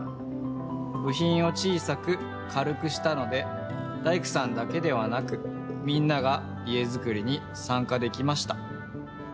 ぶひんを小さくかるくしたので大工さんだけではなくみんなが家づくりにさんかできました。